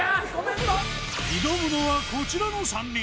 挑むのはこちらの３人。